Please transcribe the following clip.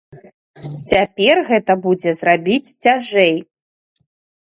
Цяпер гэта будзе зрабіць цяжэй.